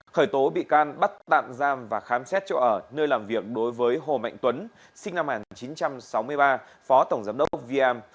khởi tố bị can bắt tạm giam và khám xét chỗ ở nơi làm việc đối với hồ mạnh tuấn sinh năm một nghìn chín trăm sáu mươi ba phó tổng giám đốc vm